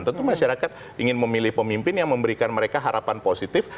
tentu masyarakat ingin memilih pemimpin yang memberikan mereka harapan positif